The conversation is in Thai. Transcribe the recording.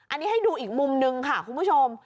อันนี้ให้ดูอีกมุมนึงค่ะคุณผู้ชม